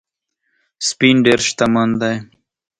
سپین ډېر شتمن دی